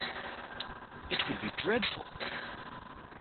It would be dreadful!